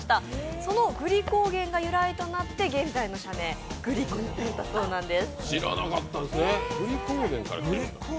そのグリコーゲンが由来となって現在の社名、グリコになったそうです。